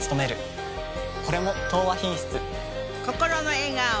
これも「東和品質」。